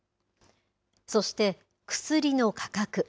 そして薬の価格。